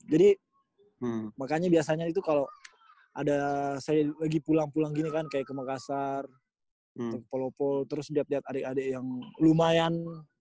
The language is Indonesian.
jadi makanya biasanya itu kalau ada saya lagi pulang pulang gini kan kayak ke makassar atau ke polopol terus dapet adik adik yang lumayan